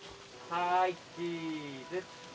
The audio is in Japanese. ・はいチーズ。